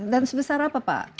dan sebesar apa pak